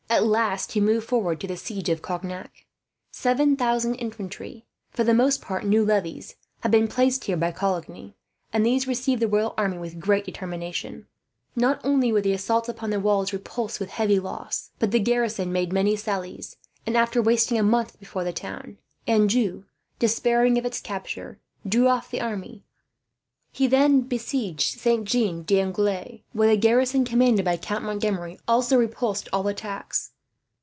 At last he moved forward to the siege of Cognac. Seven thousand infantry, for the most part new levies, had been placed here by Coligny; and these received the royal army with great determination. Not only were the assaults upon the walls repulsed, with heavy loss; but the garrison made many sallies and, after wasting a month before the town, Anjou, despairing of its capture, drew off the army, which had suffered heavier losses here than it had done in the battle of Jarnac. He then besieged Saint Jean d'Angely, where the garrison, commanded by Count Montgomery, also repulsed all attacks.